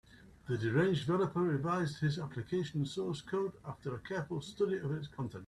The deranged developer revised his application source code after a careful study of its contents.